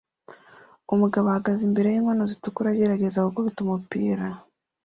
Umugabo ahagaze imbere yinkoni zitukura agerageza gukubita umupira